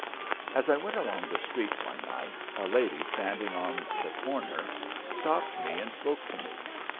As I went along the street one night a lady standing on the comer stopped me and spoke to me.